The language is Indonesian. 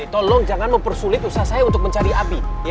tolong jangan mempersulit usaha saya untuk mencari api